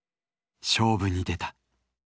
勝負に出た。